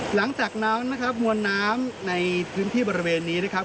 หลังจากนั้นนะครับมวลน้ำในพื้นที่บริเวณนี้นะครับ